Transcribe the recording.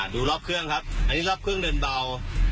ดูรอบเครื่องครับอันนี้รอบเครื่องเดินเบา